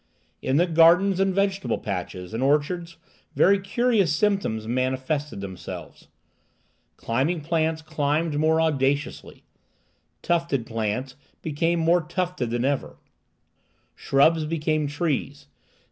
In the gardens and vegetable patches and orchards very curious symptoms manifested themselves. Climbing plants climbed more audaciously. Tufted plants became more tufted than ever. Shrubs became trees.